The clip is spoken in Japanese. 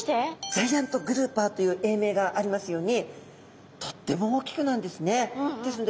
ジャイアント・グルーパーという英名がありますようにとっても大きくなるんですね。